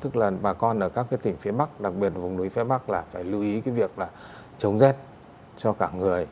tức là bà con ở các tỉnh phía bắc đặc biệt vùng núi phía bắc là phải lưu ý việc chống rét cho cả người